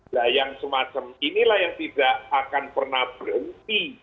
nah yang semacam inilah yang tidak akan pernah berhenti